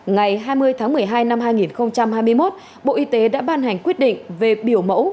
ngày hai mươi tháng một mươi hai năm hai nghìn hai mươi một bộ y tế đã ban hành quyết định về biểu mẫu